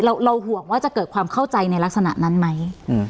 เราห่วงว่าจะเกิดความเข้าใจในลักษณะนั้นไหม